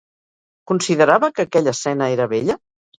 Considerava que aquella escena era bella?